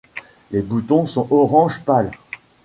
Les boutons sont orange pâle.